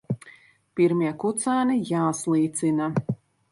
Pirmie kucēni jāslīcina.